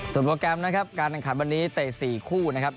โปรแกรมนะครับการแข่งขันวันนี้เตะ๔คู่นะครับ